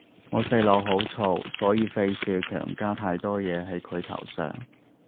我細佬好燥，所以費事強加太多嘢係佢頭上